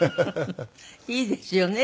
いいですよね